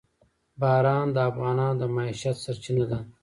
باران د افغانانو د معیشت سرچینه ده.